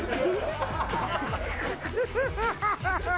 「ハハハハ！」